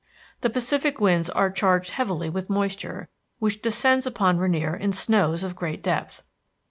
The Pacific winds are charged heavily with moisture which descends upon Rainier in snows of great depth.